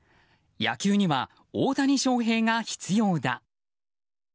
野球には大谷翔平が必要だ。